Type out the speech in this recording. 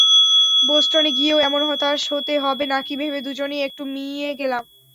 বোস্টনে গিয়েও এমন হতাশ হতে হবে নাকি ভেবে দুজনেই একটু মিইয়ে গেলাম।